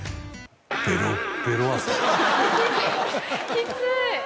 きつい。